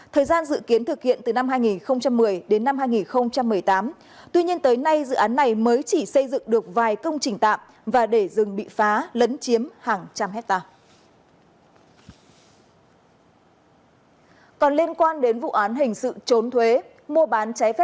thời gian dự kiến thực hiện từ năm hai nghìn một mươi đến năm hai nghìn một mươi tám tuy nhiên tới nay dự án này mới chỉ xây dựng được vài công trình tạm và để rừng bị phá lấn chiếm hàng trăm hectare